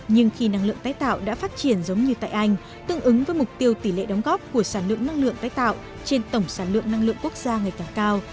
nhưng khi năng lượng tái tạo đã phát triển giống như tại anh tương ứng với mục tiêu tỷ lệ đóng góp của sản lượng năng lượng tái tạo trên tổng sản lượng năng lượng quốc gia ngày càng cao